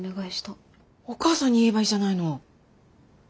お母さんに言えばいいじゃないの。